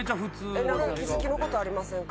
お気付きのことありませんか？